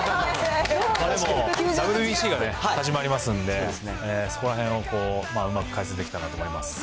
まあでも、ＷＢＣが始まりますんで、そこらへんをうまく解説できたらなと思います。